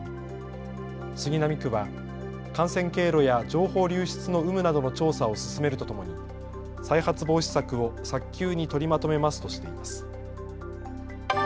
杉並区は感染経路や情報流出の有無などの調査を進めるとともに再発防止策を早急に取りまとめますとしています。